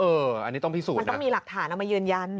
เอออันนี้ต้องพิสูจน์ก็มีหลักฐานเอาเผยยืนยัน